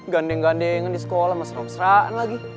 ganding gandingan di sekolah sama seram seram lagi